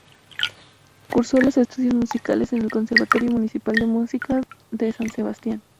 Cursó los estudios musicales en el Conservatorio Municipal de Música, de San Sebastián.